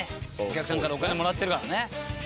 お客さんからお金もらってるからね」